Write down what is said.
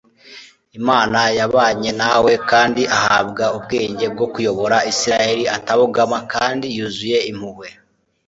imana yabanye na we kandi ahabwa ubwenge bwo kuyobora isirayeli atabogama kandi yuzuye impuhwe